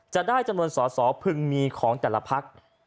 จะได้จำนวนสอสอพึงมีของแต่ละพัก